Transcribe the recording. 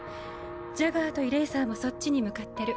ジャガーとイレイサーもそっちに向かってる。